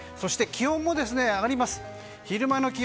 そして気温も上がります。